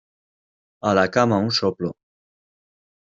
¡A la cama! un soplo.